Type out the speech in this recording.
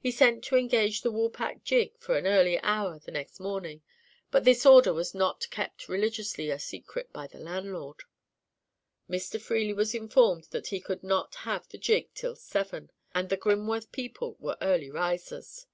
He sent to engage the Woolpack gig for an early hour the next morning; but this order was not kept religiously a secret by the landlord. Mr. Freely was informed that he could not have the gig till seven; and the Grimworth people were early risers.